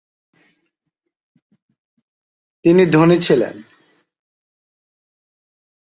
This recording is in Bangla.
তিনি ধনী ছিলেন।